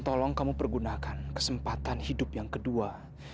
tolong kamu pergunakan kesempatan hidup yang kedua